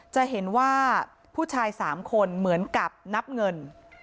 จะเห็นว่าผู้ชาย๓คนเหมือนกับนับเงิน